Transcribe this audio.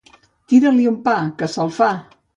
Tira-li un pa, que se'l fa!